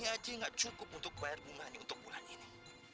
ini saja tidak cukup untuk bayar bunga untuk bulan ini